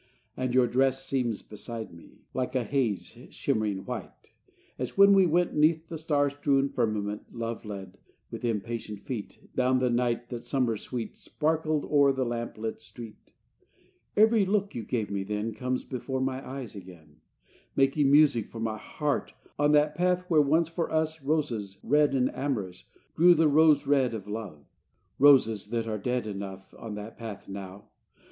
And your dress Seems beside me, like a haze Shimmering white; as when we went 'Neath the star strewn firmament, Love led, with impatient feet Down the night that, summer sweet, Sparkled o'er the lamp lit street. Every look you gave me then Comes before my eyes again, Making music for my heart On that path where once for us Roses, red and amorous, Grew, the roses red of love: Roses, that are dead enough On that path now!